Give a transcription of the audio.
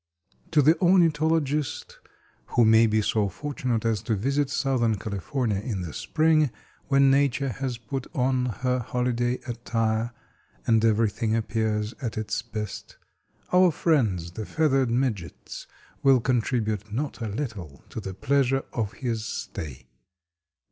_) To the ornithologist who may be so fortunate as to visit Southern California in the spring, when Nature has put on her holiday attire, and everything appears at its best, our friends, the feathered midgets, will contribute not a little to the pleasure of his stay.